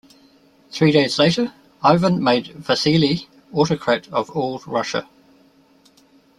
Three days later Ivan made Vasili, autocrat of all Russia.